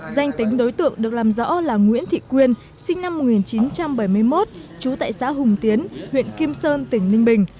danh tính đối tượng được làm rõ là nguyễn thị quyên sinh năm một nghìn chín trăm bảy mươi một trú tại xã hùng tiến huyện kim sơn tỉnh ninh bình